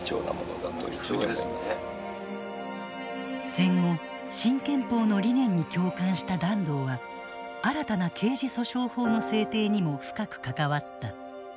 戦後新憲法の理念に共感した團藤は新たな刑事訴訟法の制定にも深く関わった。